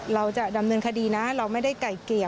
เราจะดำเนินคดีนะเราไม่ได้ไก่เกลี่ย